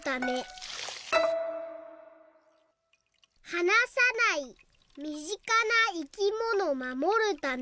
「はなさないみぢかないきものまもるため」。